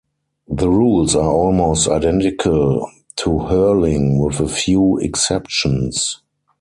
The rules are almost identical to hurling, with a few exceptions.